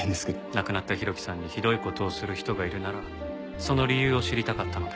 亡くなった浩喜さんにひどい事をする人がいるならその理由を知りたかったので。